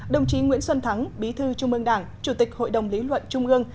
đồng chí nguyễn xuân thắng bí thư trung ương đảng chủ tịch hội đồng lý luận trung ương